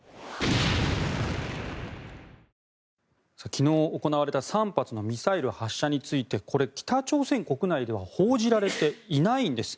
昨日行われた３発のミサイル発射についてこれ、北朝鮮国内では報じられていないんです。